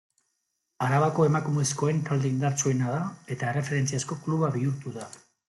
Arabako emakumezkoen talde indartsuena da eta erreferentziazko kluba bihurtu da.